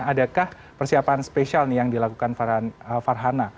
adakah persiapan spesial nih yang dilakukan farhana